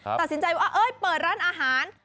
ครับตัดสินใจว่าเอ้ยเปิดร้านอาหาร